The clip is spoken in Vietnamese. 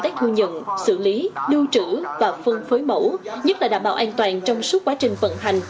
tác thu nhận xử lý lưu trữ và phân phối mẫu nhất là đảm bảo an toàn trong suốt quá trình vận hành